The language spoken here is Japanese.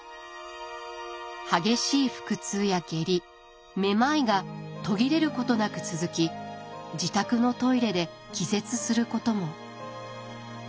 激しい腹痛や下痢めまいが途切れることなく続き自宅のトイレで気絶することも。